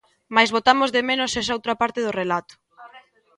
Mais botamos de menos esoutra parte do relato.